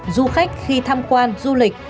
du khách khi tham quan du lịch